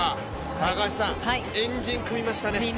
高橋さん、円陣を組みましたね。